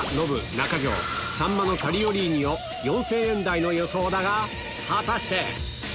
中条サンマのタリオリーニを４０００円台の予想だが果たして？